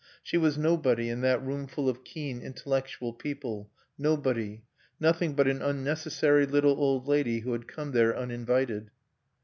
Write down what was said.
She was nobody in that roomful of keen, intellectual people; nobody; nothing but an unnecessary little old lady who had come there uninvited.